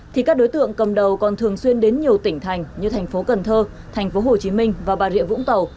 thì các đối tượng cầm đầu còn thường xuyên đến nhiều tỉnh thành như thành phố cần thơ thành phố hồ chí minh và bà rịa vũng tàu